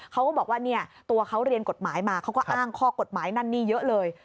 เขาก็บอกว่าเนี่ยตัวเขาเรียนกฎหมายมาเขาก็อ้างข้อกฎหมายนั่นนี่เยอะเลย